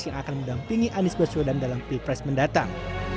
yang akan mendampingi anies baswedan dalam p pres mendatang